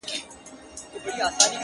زه به د خال او خط خبري كوم”